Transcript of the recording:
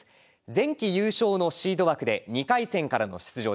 前期優勝のシード枠で２回戦からの出場です。